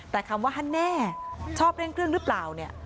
แต่คำว่าฮันแน่ชอบเร่งเครื่องหรือเปล่าเนี่ย